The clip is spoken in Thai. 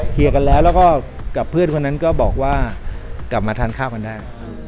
เคลียร์กันแล้วแล้วก็กับเพื่อนคนนั้นก็บอกว่ากลับมาทานข้าวกันได้